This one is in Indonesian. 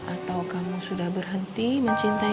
atau kamu sudah berhenti mencintai